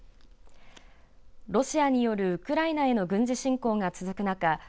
ロシアによるウクライナへの軍事侵攻が続く中